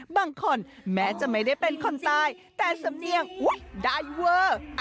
บางคนแม้จะไม่ได้เป็นคนตายแต่สำเนียงอุ๊ยได้เวอร์